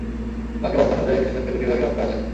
বাক্যে অবস্থান অনুযায়ী বিশেষণকে দুটি ভাগে ভাগ করা যায়।